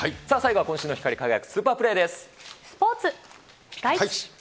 さあ、最後は今週の光り輝くスーパープレーです。